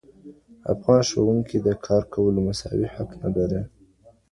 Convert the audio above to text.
افغان ښوونکي د کار کولو مساوي حق نه لري.